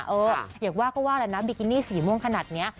เออเราคิดว่าบิกินี่สีม่วงขนาดเนี้ย